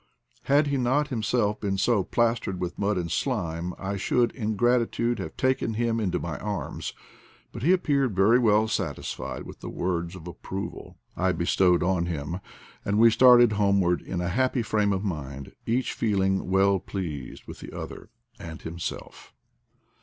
Had he not himself been so plas tered with mud and slime I should, in gratitude, have taken him into my arms; but he appeared very well satisfied with the words of approval I MAJOR AND THE FLAMINGO A DOG IN EXILE 65 bestowed on him, and we started homeward in a happy frame of mind, each feeling well pleased with the other — and himself.